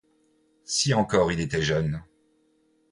Si encore il était jeune!